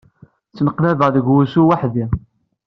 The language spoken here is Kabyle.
Ttneqlabeɣ deg wussu weḥdi.